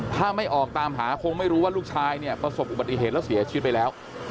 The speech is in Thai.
ถ้าไม่ออกตามหาคงไม่รู้ว่าลูกชายเนี่ยประสบอุบัติเหตุแล้วเสียชีวิตไปแล้ว